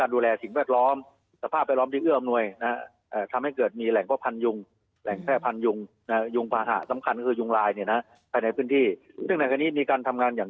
ดูแลเหตุประจายสำคัญที่ทำให้นี่การแพร่กระจายของเชื้อไวรัศกาแนียนะฮะ